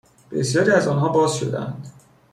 بسیاری از آنها باز شدهاند